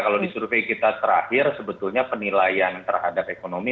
kalau di survei kita terakhir sebetulnya penilaian terhadap ekonomi